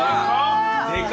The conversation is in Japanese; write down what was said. でか！